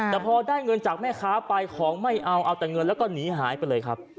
แต่พอได้เงินจากแม่ค้าไปของไม่เอาเอาแต่เงินแล้วก็หนีหายไปเลยครับ